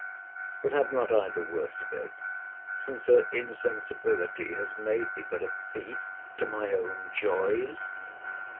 —But have not I the worst of it; since her insensibility has made me but a thief to my own joys?